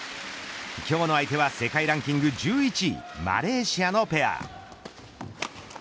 今日の相手は世界ランキング１１位マレーシアのペア。